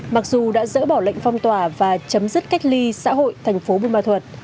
mặc dù đã dỡ bỏ lệnh phong tỏa và chấm dứt cách ly xã hội thành phố bù ma thuật